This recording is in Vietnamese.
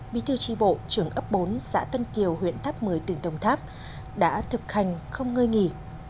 bí thư tri bộ trưởng ấp bốn xã tân kiều huyện tháp một mươi tỉnh đồng tháp đã thực hành không ngơi nghỉ